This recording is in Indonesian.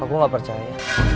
aku gak percaya